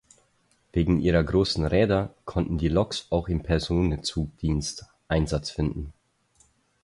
Wegen ihrer großen Räder konnten die Loks auch im Personenzugdienst Einsatz finden.